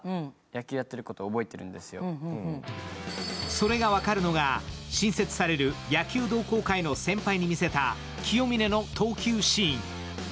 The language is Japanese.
それが分かるのが、新設される野球同好会の先輩に見せた清峰の投球シーン。